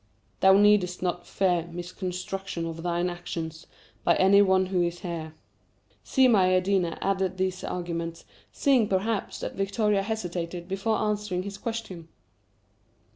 Thou needst not fear misconstruction of thine actions, by any one who is here." Si Maïeddine added these arguments, seeing perhaps that Victoria hesitated before answering his question.